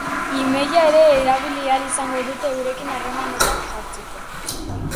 E-maila ere erabili ahal izango dute eurekin harremanetan jartzeko.